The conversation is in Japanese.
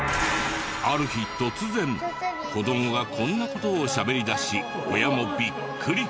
ある日突然子供がこんな事をしゃべり出し親もビックリ！